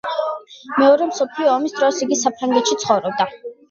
მეორე მსოფლიო ომის დროს იგი საფრანგეთში ცხოვრობდა.